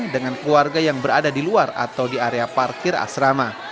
dengan keluarga yang berada di luar atau di area parkir asrama